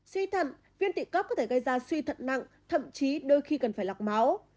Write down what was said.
suy thận viên tụy cấp có thể gây ra suy thận nặng thậm chí đôi khi cần phải lọc máu